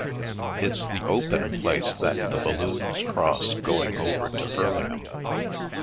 It's the open place that the balloons cross going over to Hurlingham.